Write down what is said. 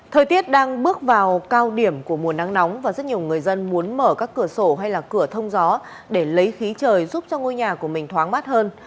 thời tiết đang bước vào cao điểm của mùa nắng nóng và rất nhiều người dân muốn mở các cửa sổ hay là cửa thông gió để lấy khí trời giúp cho ngôi nhà của mình thoáng mát hơn